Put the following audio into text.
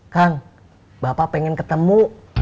kang bapak pengen ketemu